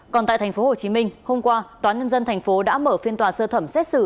còn tại tp hồ chí minh hôm qua toán nhân dân tp đã mở phiên tòa sơ thẩm xét xử